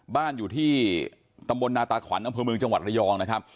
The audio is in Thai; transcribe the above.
บ้านอยู่ที่ตำบลนาตาขวัญอำเภอเมืองจังหวัดระยองนะครับ